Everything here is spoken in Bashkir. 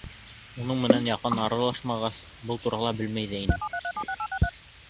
Уның менән яҡын аралашмағас, был турала белмәй ҙә инем.